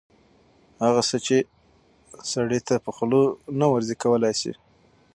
هغه څه چې سړي ته په خوله نه ورځي کولی شي